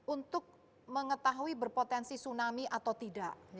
untuk mengetahui berpotensi tsunami atau tidak